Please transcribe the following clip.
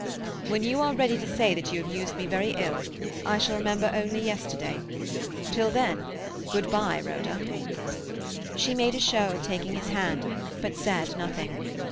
"When you are ready to say that you have used me very ill, I shall remember only yesterday. Till then—good bye, Rhoda." She made a show of taking his hand, but said nothing.